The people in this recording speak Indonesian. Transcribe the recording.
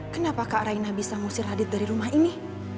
kenapa kak raina bisa ngusir radit dari rumah ini